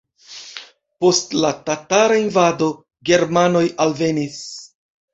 Post la tatara invado germanoj alvenis.